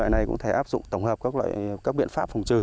loại này cũng thể áp dụng tổng hợp các biện pháp phòng trừ